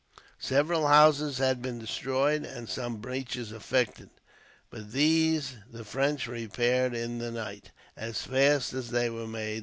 Several houses had been destroyed, and some breaches effected; but these the French repaired in the night, as fast as they were made.